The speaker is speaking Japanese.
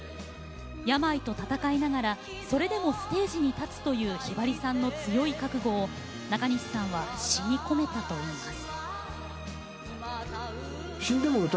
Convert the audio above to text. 病と闘いながらそれでもステージに立つという、ひばりさんの強い覚悟をなかにしさんは詞に込めたといいます。